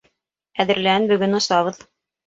Әҙерлән, бөгөн осабыҙ.